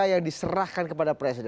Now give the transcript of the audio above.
yang diserahkan kepada presiden